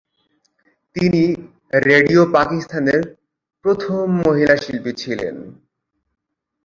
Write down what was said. তিনি রেডিও পাকিস্তানের প্রথম মহিলা শিল্পী ছিলেন।